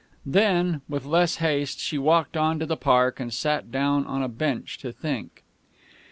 Then, with less haste, she walked on to the park, and sat down on a bench, to think.